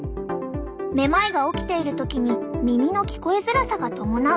めまいが起きている時に耳の聞こえづらさが伴う。